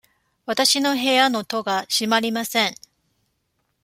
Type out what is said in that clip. わたしの部屋の戸が閉まりません。